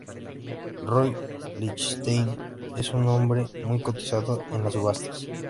Roy Lichtenstein es un nombre muy cotizado en las subastas.